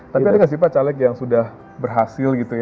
tapi ada gak sih pak caleg yang sudah berhasil menang